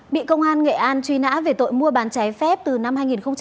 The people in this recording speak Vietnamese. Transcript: bị công an nghệ an truy nã về tội mua bàn cháy phép từ năm hai nghìn một mươi chín